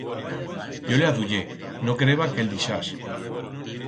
Yo le aduyé, no quereba que el dixás.